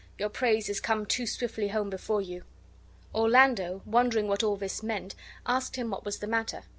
Your praise is come too swiftly home before you." Orlando, wondering what all this meant, asked him what was the matter.